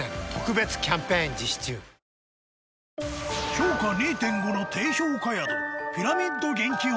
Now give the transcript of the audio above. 評価２．５の低評価宿